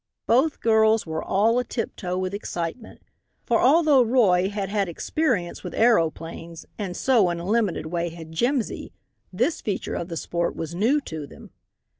Both girls were all a tiptoe with excitement, for although Roy had had experience with aeroplanes, and so, in a limited way, had Jimsy, this feature of the sport was new to them.